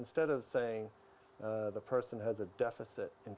jadi apa saja yang saya ingin